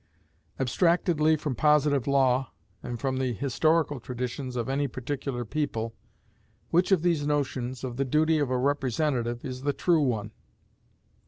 Abstractedly from positive law, and from the historical traditions of any particular people, which of these notions of the duty of a representative is the true one?